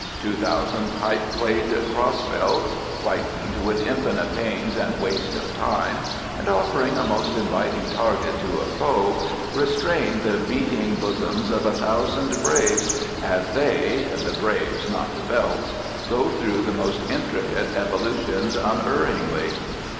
Two thousand pipe clayed cross belts whitened with infinite pains and waste of time, and offering a most inviting mark to a foe restrain the beating bosoms of a thousand braves, as they the braves, not the belts go through the most intricate evolutions unerringly.